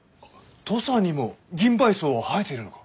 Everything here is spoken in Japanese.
土佐にもギンバイソウは生えているのか？